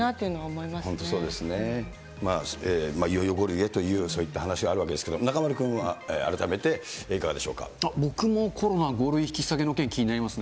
いよいよ５類へといった話があるわけですけれども、中丸君は改め僕もコロナ５類引き下げの件、気になりますね。